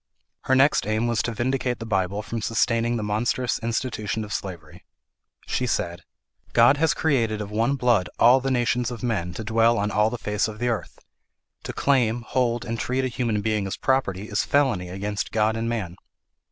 Her next aim was to vindicate the Bible from sustaining the monstrous institution of slavery. She said, "God has created of one blood all the nations of men, to dwell on all the face of the earth. To claim, hold, and treat a human being as property is felony against God and man.